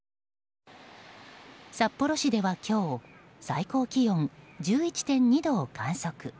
札幌市では、今日最高気温１１．２度を観測。